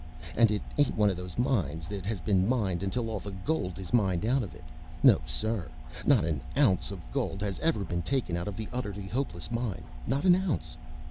And it ain't one of these mines that has been mined until all the gold is mined out of it. No, sir! Not an ounce of gold has ever been taken out of the Utterly Hopeless Mine. Not an ounce."